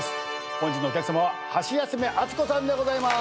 本日のお客さまはハシヤスメ・アツコさんでございます。